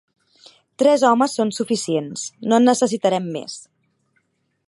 Tres homes són suficients: no en necessitarem més.